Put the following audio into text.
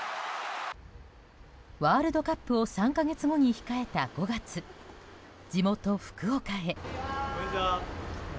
ワールドカップを３か月後に控えた５月地元・福岡へ。